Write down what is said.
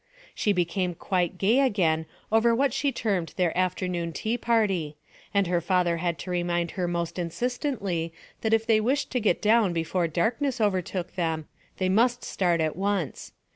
She became quite gay again over what she termed their afternoon tea party, and her father had to remind her most insistently that if they wished to get down before darkness overtook them they must start at once.